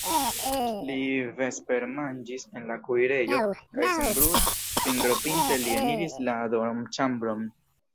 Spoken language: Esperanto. Li vespermanĝis en la kuirejo kaj senbrue, fingropinte li eniris la dormĉambron.